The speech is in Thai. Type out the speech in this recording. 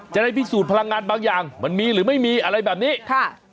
จะได้พิสูจน์พลังงานบางอย่างมันมีหรือไม่มีอะไรแบบนี้ค่ะ